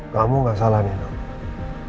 kamu gak salah nih dong